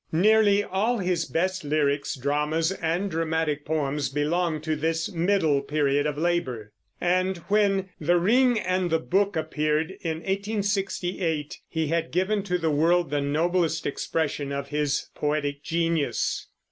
Nearly all his best lyrics, dramas, and dramatic poems belong to this middle period of labor; and when The Ring and the Book appeared, in 1868, he had given to the world the noblest expression of his poetic genius.